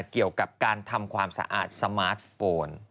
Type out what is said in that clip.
เกี่ยวกับการทำความสะอาดสมาร์ทโฟน